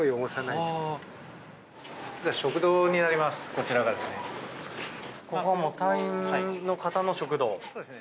ここは隊員の方の食堂。